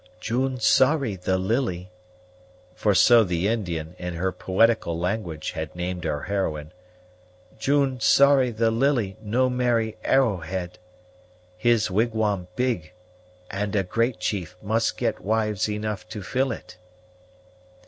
"June sorry the Lily" for so the Indian, in her poetical language, had named our heroine "June sorry the Lily no marry Arrowhead. His wigwam big, and a great chief must get wives enough to fill it."